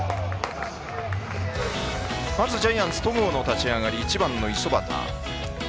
まずジャイアンツ戸郷の立ち上がり、１番の五十幡。